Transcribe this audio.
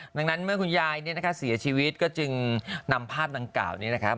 ดังนั้นเมื่อคุณยายเนี่ยนะคะเสียชีวิตก็จึงนำภาพดังกล่าวนี้นะครับ